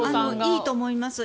いいと思います。